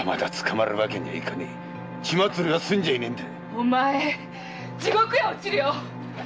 お前地獄へ堕ちるよ！